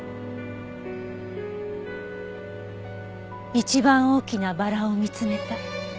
一番大きなバラを見つめた。